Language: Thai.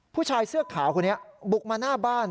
ผู้ชายเสื้อขาวคนนี้บุกมาหน้าบ้าน